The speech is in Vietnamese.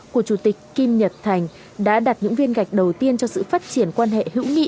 của chủ tịch kim nhật thành đã đặt những viên gạch đầu tiên cho sự phát triển quan hệ hữu nghị